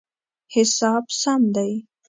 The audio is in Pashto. حساب سم دی